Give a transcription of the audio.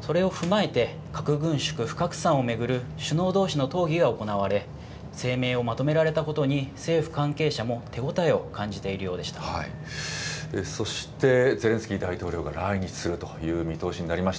それを踏まえて、核軍縮・不拡散を巡る首脳どうしの討議が行われ、声明をまとめられたことに政府関係者も手応えを感じているようでそして、ゼレンスキー大統領が来日するという見通しになりました。